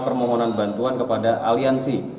permohonan bantuan kepada aliansi